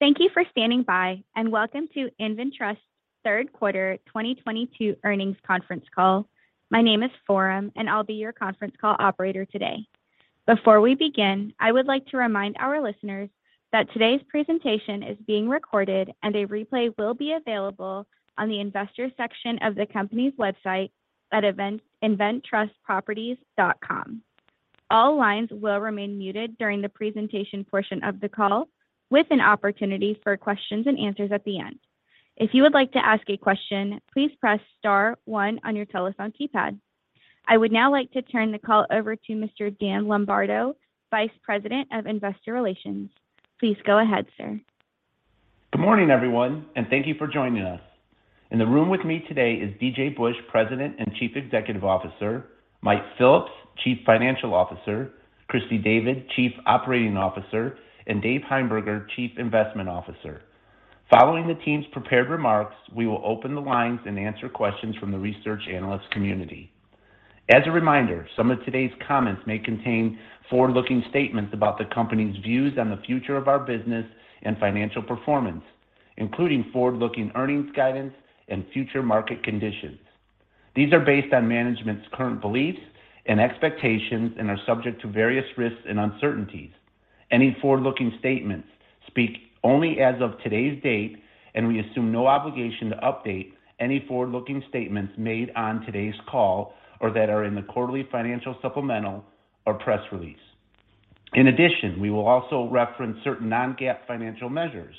Thank you for standing by, and welcome to InvenTrust third quarter 2022 earnings conference call. My name is Forum, and I'll be your conference call operator today. Before we begin, I would like to remind our listeners that today's presentation is being recorded, and a replay will be available on the Investors section of the company's website at events.inventrustproperties.com. All lines will remain muted during the presentation portion of the call, with an opportunity for questions and answers at the end. If you would like to ask a question, please press star one on your telephone keypad. I would now like to turn the call over to Mr. Dan Lombardo, Vice President of Investor Relations. Please go ahead, sir. Good morning, everyone, and thank you for joining us. In the room with me today is DJ Busch, President and Chief Executive Officer, Mike Phillips, Chief Financial Officer, Christy David, Chief Operating Officer, and David Heimberger, Chief Investment Officer. Following the team's prepared remarks, we will open the lines and answer questions from the research analyst community. As a reminder, some of today's comments may contain forward-looking statements about the company's views on the future of our business and financial performance, including forward-looking earnings guidance and future market conditions. These are based on management's current beliefs and expectations and are subject to various risks and uncertainties. Any forward-looking statements speak only as of today's date, and we assume no obligation to update any forward-looking statements made on today's call or that are in the quarterly financial supplemental or press release. In addition, we will also reference certain non-GAAP financial measures.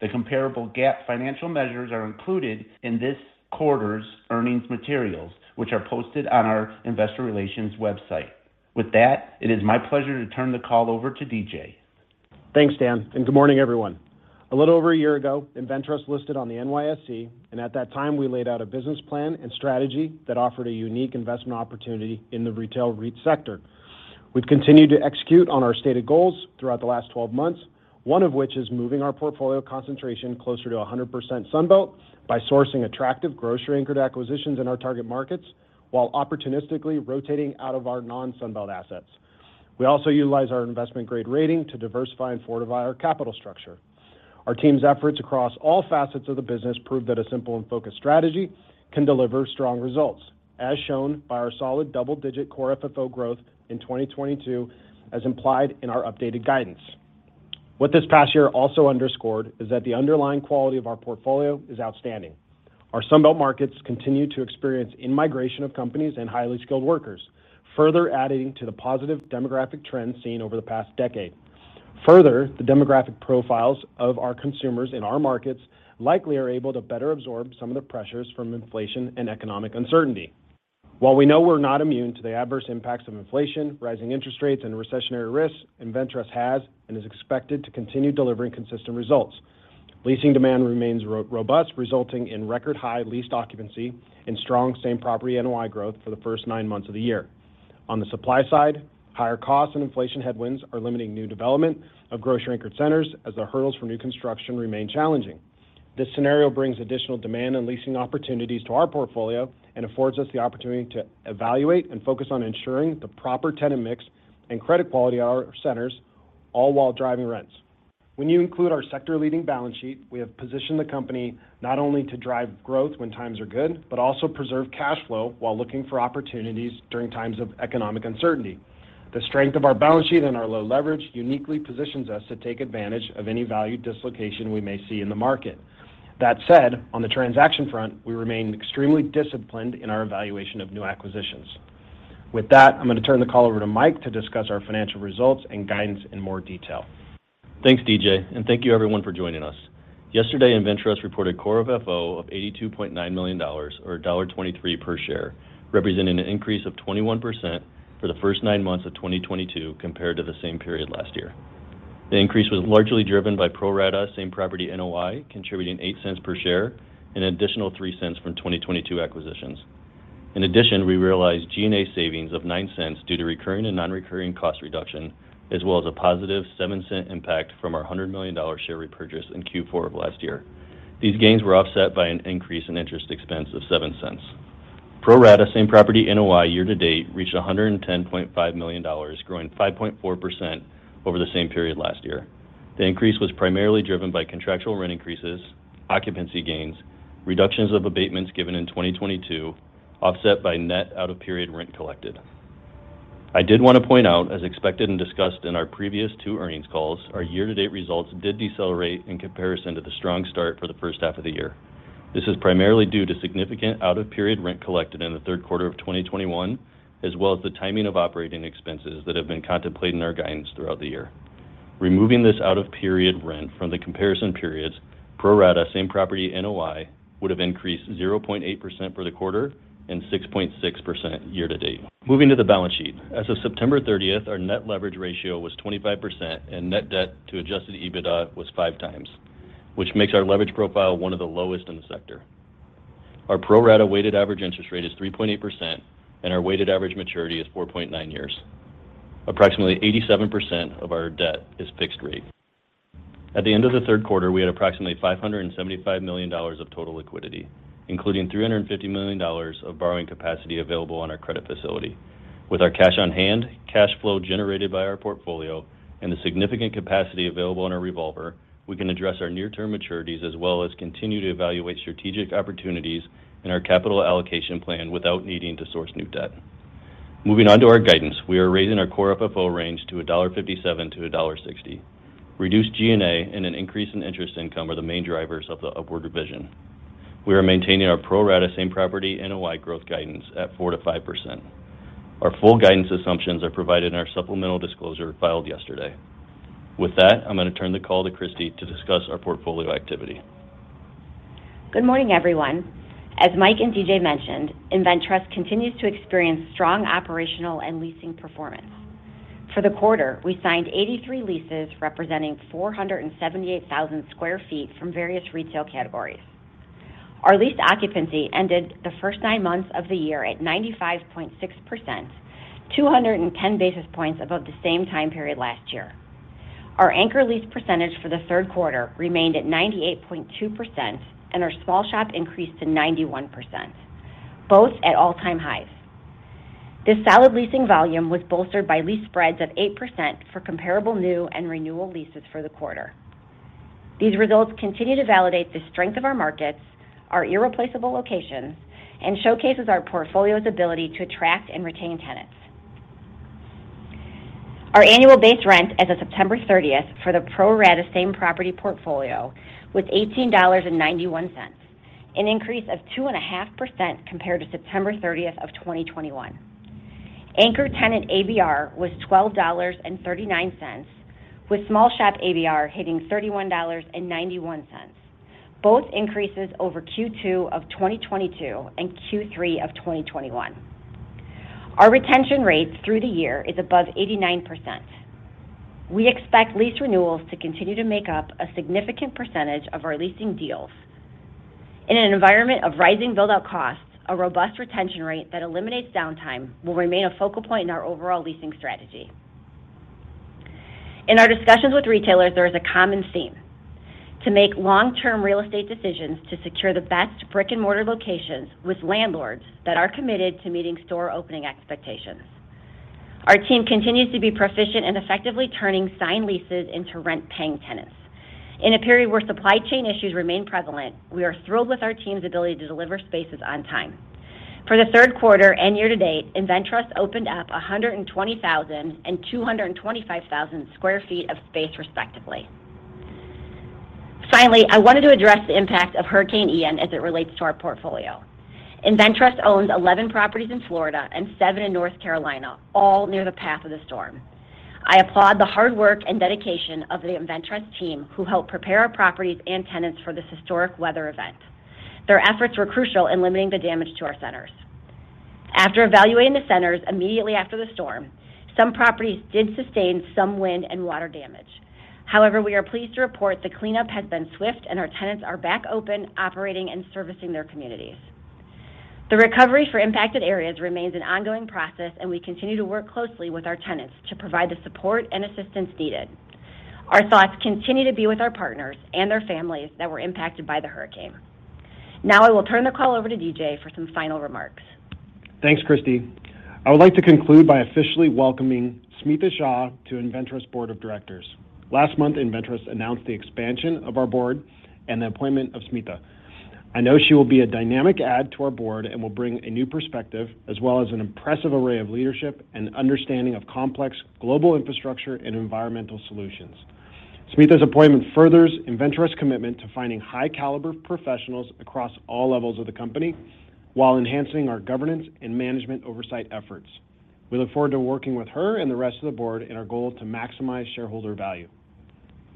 The comparable GAAP financial measures are included in this quarter's earnings materials, which are posted on our investor relations website. With that, it is my pleasure to turn the call over to DJ. Thanks, Dan, and good morning, everyone. A little over a year ago, InvenTrust listed on the NYSE, and at that time, we laid out a business plan and strategy that offered a unique investment opportunity in the retail REIT sector. We've continued to execute on our stated goals throughout the last 12 months, one of which is moving our portfolio concentration closer to 100% Sun Belt by sourcing attractive grocery-anchored acquisitions in our target markets while opportunistically rotating out of our non-Sun Belt assets. We also utilize our investment grade rating to diversify and fortify our capital structure. Our team's efforts across all facets of the business prove that a simple and focused strategy can deliver strong results, as shown by our solid double-digit core FFO growth in 2022, as implied in our updated guidance. What this past year also underscored is that the underlying quality of our portfolio is outstanding. Our Sun Belt markets continue to experience in-migration of companies and highly skilled workers, further adding to the positive demographic trends seen over the past decade. Further, the demographic profiles of our consumers in our markets likely are able to better absorb some of the pressures from inflation and economic uncertainty. While we know we're not immune to the adverse impacts of inflation, rising interest rates, and recessionary risks, InvenTrust has and is expected to continue delivering consistent results. Leasing demand remains robust, resulting in record high leased occupancy and strong Same-Property NOI growth for the first nine months of the year. On the supply side, higher costs and inflation headwinds are limiting new development of grocery-anchored centers as the hurdles for new construction remain challenging. This scenario brings additional demand and leasing opportunities to our portfolio and affords us the opportunity to evaluate and focus on ensuring the proper tenant mix and credit quality of our centers, all while driving rents. When you include our sector-leading balance sheet, we have positioned the company not only to drive growth when times are good, but also preserve cash flow while looking for opportunities during times of economic uncertainty. The strength of our balance sheet and our low leverage uniquely positions us to take advantage of any value dislocation we may see in the market. That said, on the transaction front, we remain extremely disciplined in our evaluation of new acquisitions. With that, I'm gonna turn the call over to Mike to discuss our financial results and guidance in more detail. Thanks, DJ, and thank you everyone for joining us. Yesterday, InvenTrust reported Core FFO of $82.9 million, or $1.23 per share, representing an increase of 21% for the first nine months of 2022 compared to the same period last year. The increase was largely driven by pro rata Same-Property NOI, contributing $0.08 per share and an additional $0.03 from 2022 acquisitions. In addition, we realized G&A savings of $0.09 due to recurring and non-recurring cost reduction, as well as a positive $0.07 impact from our $100 million share repurchase in Q4 of last year. These gains were offset by an increase in interest expense of $0.07. Pro rata Same-Property NOI year-to-date reached $110.5 million, growing 5.4% over the same period last year. The increase was primarily driven by contractual rent increases, occupancy gains, reductions of abatements given in 2022, offset by net out-of-period rent collected. I did want to point out, as expected and discussed in our previous two earnings calls, our year-to-date results did decelerate in comparison to the strong start for the first half of the year. This is primarily due to significant out-of-period rent collected in the third quarter of 2021, as well as the timing of operating expenses that have been contemplated in our guidance throughout the year. Removing this out-of-period rent from the comparison periods, pro rata Same-Property NOI would have increased 0.8% for the quarter and 6.6% year-to-date. Moving to the balance sheet. As of September 30, our net leverage ratio was 25%, and net debt to adjusted EBITDA was 5x, which makes our leverage profile one of the lowest in the sector. Our pro rata weighted average interest rate is 3.8%, and our weighted average maturity is 4.9 years. Approximately 87% of our debt is fixed rate. At the end of the third quarter, we had approximately $575 million of total liquidity, including $350 million of borrowing capacity available on our credit facility. With our cash on hand, cash flow generated by our portfolio, and the significant capacity available on our revolver, we can address our near-term maturities as well as continue to evaluate strategic opportunities in our capital allocation plan without needing to source new debt. Moving on to our guidance, we are raising our Core FFO range to $1.57-$1.60. Reduced G&A and an increase in interest income are the main drivers of the upward revision. We are maintaining our pro rata Same-Property NOI growth guidance at 4%-5%. Our full guidance assumptions are provided in our supplemental disclosure filed yesterday. With that, I'm going to turn the call to Christy to discuss our portfolio activity. Good morning, everyone. As Mike and DJ mentioned, InvenTrust continues to experience strong operational and leasing performance. For the quarter, we signed 83 leases representing 478,000 sq ft from various retail categories. Our lease occupancy ended the first nine months of the year at 95.6%, 210 basis points above the same time period last year. Our anchor lease percentage for the third quarter remained at 98.2%, and our small shop increased to 91%, both at all-time highs. This solid leasing volume was bolstered by lease spreads of 8% for comparable new and renewal leases for the quarter. These results continue to validate the strength of our markets, our irreplaceable locations, and showcases our portfolio's ability to attract and retain tenants. Our annual base rent as of September 30th for the pro rata Same-Property portfolio was $18.91, an increase of 2.5% compared to September 30th of 2021. Anchor tenant ABR was $12.39, with small shop ABR hitting $31.91, both increases over Q2 of 2022 and Q3 of 2021. Our retention rates through the year is above 89%. We expect lease renewals to continue to make up a significant percentage of our leasing deals. In an environment of rising build-out costs, a robust retention rate that eliminates downtime will remain a focal point in our overall leasing strategy. In our discussions with retailers, there is a common theme, to make long-term real estate decisions to secure the best brick-and-mortar locations with landlords that are committed to meeting store opening expectations. Our team continues to be proficient in effectively turning signed leases into rent-paying tenants. In a period where supply chain issues remain prevalent, we are thrilled with our team's ability to deliver spaces on time. For the third quarter and year-to-date, InvenTrust opened up 120,000 and 225,000 sq ft of space respectively. Finally, I wanted to address the impact of Hurricane Ian as it relates to our portfolio. InvenTrust owns 11 properties in Florida and seven in North Carolina, all near the path of the storm. I applaud the hard work and dedication of the InvenTrust team who helped prepare our properties and tenants for this historic weather event. Their efforts were crucial in limiting the damage to our centers. After evaluating the centers immediately after the storm, some properties did sustain some wind and water damage. However, we are pleased to report the cleanup has been swift and our tenants are back open, operating, and servicing their communities. The recovery for impacted areas remains an ongoing process, and we continue to work closely with our tenants to provide the support and assistance needed. Our thoughts continue to be with our partners and their families that were impacted by the hurricane. Now I will turn the call over to DJ for some final remarks. Thanks, Christy. I would like to conclude by officially welcoming Smita Shah to InvenTrust Board of Directors. Last month, InvenTrust announced the expansion of our board and the appointment of Smita. I know she will be a dynamic addition to our board and will bring a new perspective as well as an impressive array of leadership and understanding of complex global infrastructure and environmental solutions. Smita's appointment furthers InvenTrust's commitment to finding high-caliber professionals across all levels of the company while enhancing our governance and management oversight efforts. We look forward to working with her and the rest of the board in our goal to maximize shareholder value.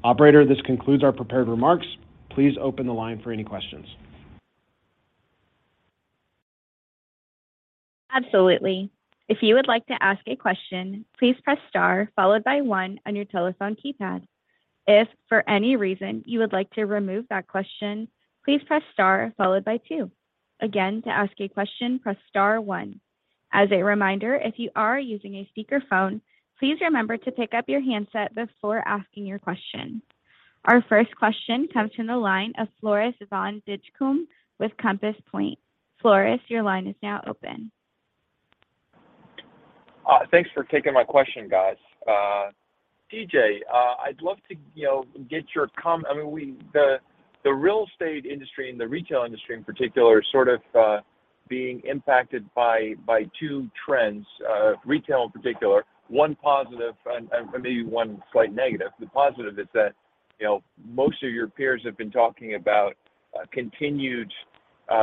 Operator, this concludes our prepared remarks. Please open the line for any questions. Absolutely. If you would like to ask a question, please press star followed by one on your telephone keypad. If for any reason you would like to remove that question, please press star followed by two. Again, to ask a question, press star one. As a reminder, if you are using a speakerphone, please remember to pick up your handset before asking your question. Our first question comes from the line of Floris van Dijkum with Compass Point. Floris, your line is now open. Thanks for taking my question, guys. DJ, I'd love to, you know, get your, I mean, the real estate industry and the retail industry in particular are sort of being impacted by two trends, retail in particular, one positive and maybe one slight negative. The positive is that, you know, most of your peers have been talking about continued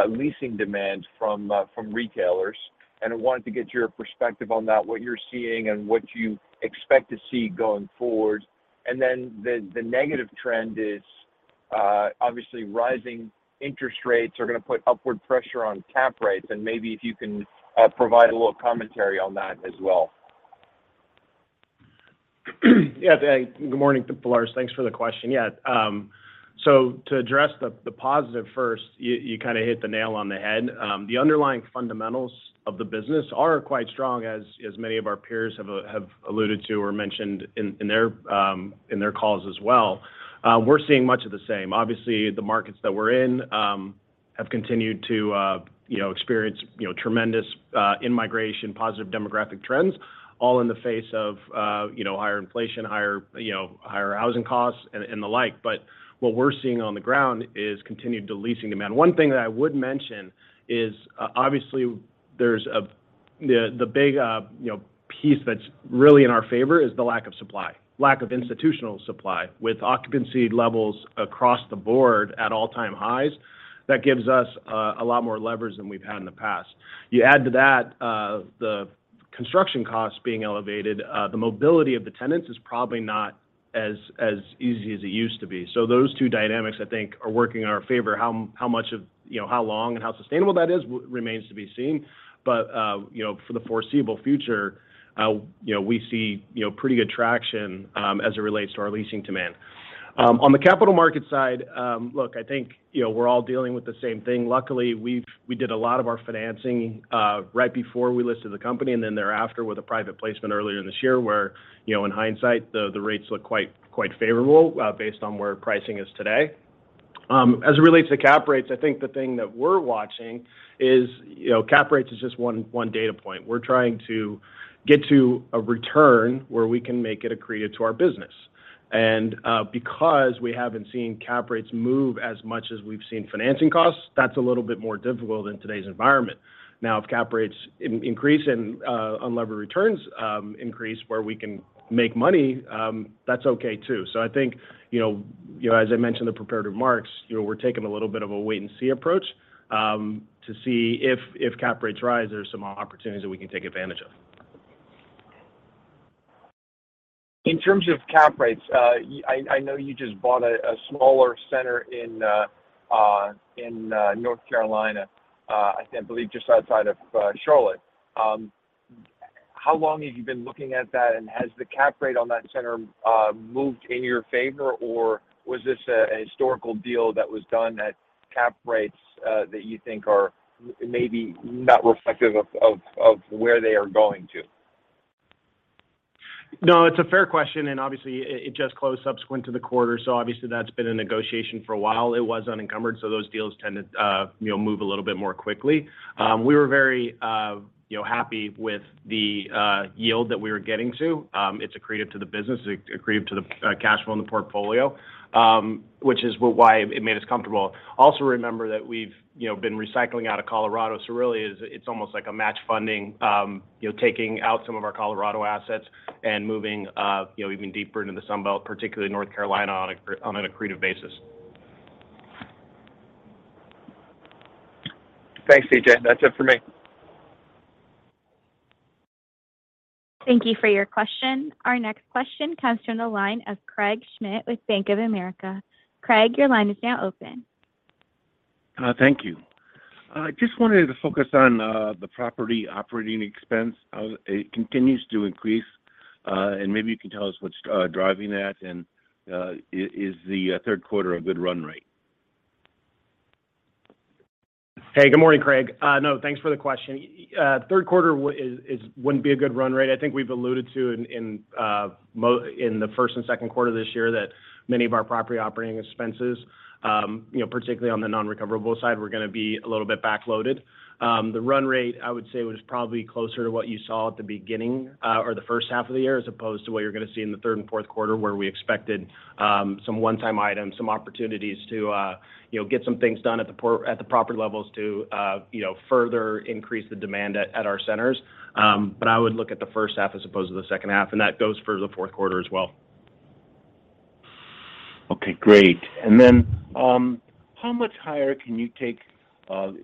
leasing demand from retailers, and I wanted to get your perspective on that, what you're seeing and what you expect to see going forward. The negative trend is, obviously, rising interest rates are gonna put upward pressure on cap rates, and maybe if you can provide a little commentary on that as well. Yeah. Hey, good morning, Floris. Thanks for the question. Yeah. To address the positive first, you kind of hit the nail on the head. The underlying fundamentals of the business are quite strong, as many of our peers have alluded to or mentioned in their calls as well. We're seeing much of the same. Obviously, the markets that we're in have continued to you know, experience you know, tremendous in-migration, positive demographic trends, all in the face of you know, higher inflation, higher you know, higher housing costs and the like. What we're seeing on the ground is continued leasing demand. One thing that I would mention is obviously there's the big you know, piece that's really in our favor is the lack of supply, lack of institutional supply. With occupancy levels across the board at all-time highs, that gives us a lot more leverage than we've had in the past. You add to that, the construction costs being elevated, the mobility of the tenants is probably not as easy as it used to be. Those two dynamics I think are working in our favor. You know, how long and how sustainable that is remains to be seen. You know, for the foreseeable future, you know, we see you know, pretty good traction as it relates to our leasing demand. On the capital market side, look, I think you know, we're all dealing with the same thing. Luckily, we did a lot of our financing right before we listed the company and then thereafter with a private placement earlier this year where, you know, in hindsight, the rates look quite favorable based on where pricing is today. As it relates to cap rates, I think the thing that we're watching is, you know, cap rates is just one data point. We're trying to get to a return where we can make it accretive to our business. Because we haven't seen cap rates move as much as we've seen financing costs, that's a little bit more difficult in today's environment. Now, if cap rates increase and unlevered returns increase where we can make money, that's okay too. I think, you know, as I mentioned in the prepared remarks, you know, we're taking a little bit of a wait and see approach to see if cap rates rise, there's some opportunities that we can take advantage of. In terms of cap rates, I know you just bought a smaller center in North Carolina, I believe just outside of Charlotte. How long have you been looking at that, and has the cap rate on that center moved in your favor, or was this a historical deal that was done at cap rates that you think are maybe not reflective of where they are going to? No, it's a fair question, and obviously it just closed subsequent to the quarter, so obviously that's been in negotiation for a while. It was unencumbered, so those deals tend to, you know, move a little bit more quickly. We were very, you know, happy with the yield that we were getting to. It's accretive to the business, it's accretive to the cash flow in the portfolio, which is why it made us comfortable. Also remember that we've, you know, been recycling out of Colorado, so really it's almost like a match funding, you know, taking out some of our Colorado assets and moving, you know, even deeper into the Sun Belt, particularly North Carolina, on an accretive basis. Thanks, DJ. That's it for me. Thank you for your question. Our next question comes from the line of Craig Schmidt with Bank of America. Craig, your line is now open. Thank you. I just wanted to focus on the property operating expense. How it continues to increase. Maybe you can tell us what's driving that, and is the third quarter a good run rate? Hey, good morning, Craig. No, thanks for the question. Third quarter wouldn't be a good run rate. I think we've alluded to in the first and second quarter this year that many of our property operating expenses, you know, particularly on the non-recoverable side, were gonna be a little bit backloaded. The run rate I would say was probably closer to what you saw at the beginning, or the first half of the year, as opposed to what you're gonna see in the third and fourth quarter, where we expected, some one-time items, some opportunities to, you know, get some things done at the property levels to, you know, further increase the demand at our centers. I would look at the first half as opposed to the second half, and that goes for the fourth quarter as well. Okay, great. How much higher can you take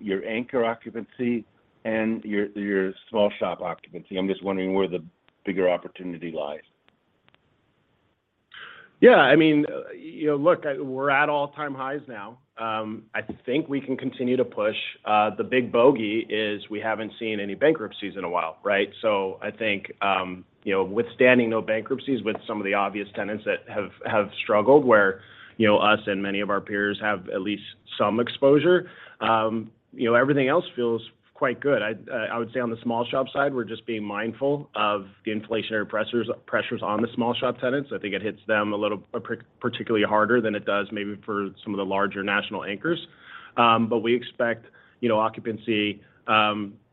your anchor occupancy and your small shop occupancy? I'm just wondering where the bigger opportunity lies. Yeah, I mean, you know, look, we're at all-time highs now. I think we can continue to push. The big bogey is we haven't seen any bankruptcies in a while, right? I think, you know, withstanding no bankruptcies with some of the obvious tenants that have struggled where, you know, us and many of our peers have at least some exposure, you know, everything else feels quite good. I would say on the small shop side, we're just being mindful of the inflationary pressures on the small shop tenants. I think it hits them a little particularly harder than it does maybe for some of the larger national anchors. We expect, you know, occupancy,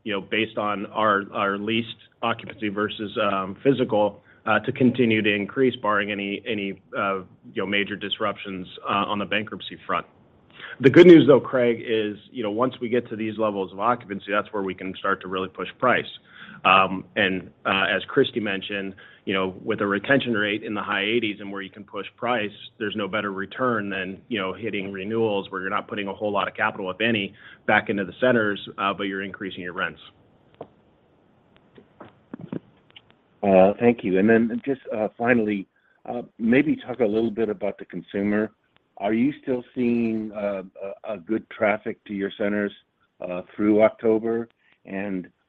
you know, based on our leased occupancy versus physical to continue to increase barring any you know major disruptions on the bankruptcy front. The good news though, Craig, is, you know, once we get to these levels of occupancy, that's where we can start to really push price. As Christy mentioned, you know, with the retention rate in the high eighties and where you can push price, there's no better return than, you know, hitting renewals where you're not putting a whole lot of capital, if any, back into the centers, but you're increasing your rents. Thank you. Just finally, maybe talk a little bit about the consumer. Are you still seeing a good traffic to your centers through October?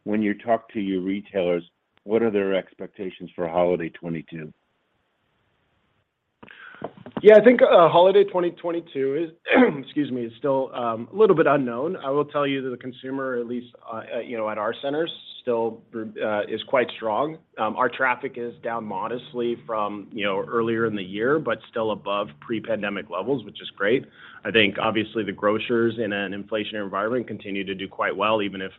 When you talk to your retailers, what are their expectations for holiday 2022? Yeah, I think holiday 2022 is still a little bit unknown. I will tell you that the consumer, at least, you know, at our centers still is quite strong. Our traffic is down modestly from, you know, earlier in the year, but still above pre-pandemic levels, which is great. I think obviously the grocers in an inflationary environment continue to do quite well, even if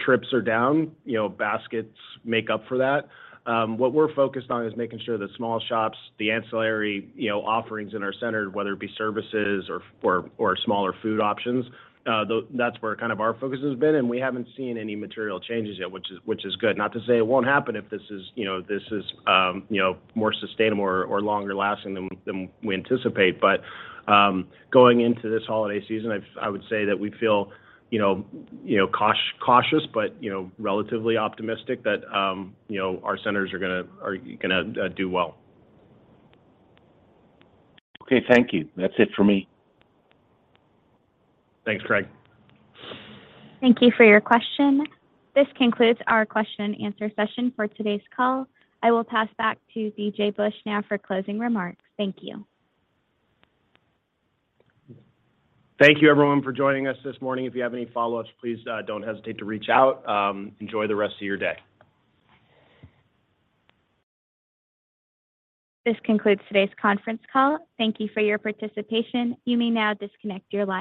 trips are down, you know, baskets make up for that. What we're focused on is making sure the small shops, the ancillary, you know, offerings in our centers, whether it be services or smaller food options, that's where kind of our focus has been, and we haven't seen any material changes yet, which is good. Not to say it won't happen if this is, you know, this is, you know, more sustainable or longer lasting than we anticipate. Going into this holiday season, I would say that we feel, you know, you know, cautious but, you know, relatively optimistic that, you know, our centers are gonna do well. Okay, thank you. That's it for me. Thanks, Craig. Thank you for your question. This concludes our question and answer session for today's call. I will pass back to DJ Busch now for closing remarks. Thank you. Thank you everyone for joining us this morning. If you have any follow-ups, please, don't hesitate to reach out. Enjoy the rest of your day. This concludes today's conference call. Thank you for your participation. You may now disconnect your line.